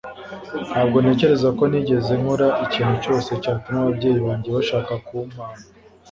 ntabwo ntekereza ko nigeze nkora ikintu cyose cyatuma ababyeyi banjye bashaka kumpana